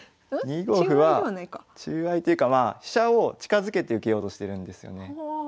２五歩は中合いというか飛車を近づけて受けようとしてるんですよね。